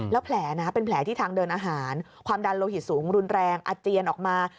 แล้วแผลนะเป็นแผลที่ทางเดินอาหารความดันโลหิตสูงรุนแรงอาเจียนออกมา